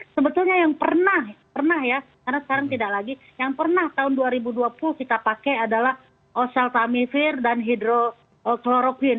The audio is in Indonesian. sebetulnya yang pernah pernah ya karena sekarang tidak lagi yang pernah tahun dua ribu dua puluh kita pakai adalah oseltamivir dan hidrokloroquine